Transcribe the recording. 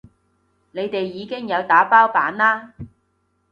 你哋已經有打包版啦